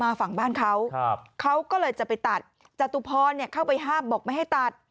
ฝั่งบ้านเขาเขาก็เลยจะไปตัดจตุพรเข้าไปห้ามบอกไม่ให้ตัด